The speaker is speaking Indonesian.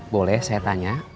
boleh saya tanya